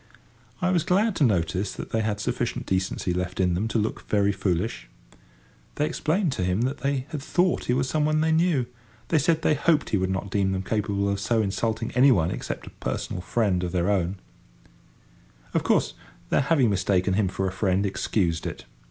I was glad to notice that they had sufficient decency left in them to look very foolish. They explained to him that they had thought he was some one they knew. They said they hoped he would not deem them capable of so insulting any one except a personal friend of their own. [Picture: Bathing] Of course their having mistaken him for a friend excused it.